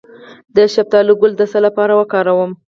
د شفتالو ګل د څه لپاره وکاروم؟